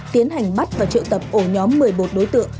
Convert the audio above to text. tiến hành bắt và triệu tập ổ nhóm một mươi một đối tượng